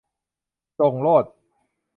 ส่งโลด